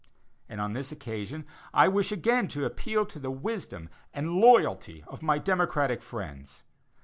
And on this occasion I wish again to appeal to the wisdom and loyalty of my Democratic friends.